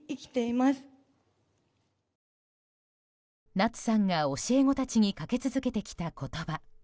夏さんが教え子たちにかけ続けてきた言葉。